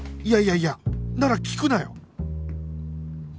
いやいやいやなら聞くなよ！